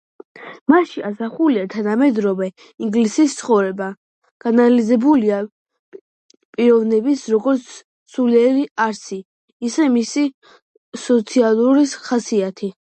მასში ასახულია თანამედროვე ინგლისის ცხოვრება, გაანალიზებულია პიროვნების როგორც სულიერი არსი, ისე მისი სოციალური ხასიათი.